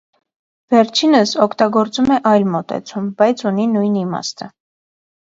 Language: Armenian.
Վերջինս օգտագործում է այլ մոտեցում, բայց ունի նույն իմաստը։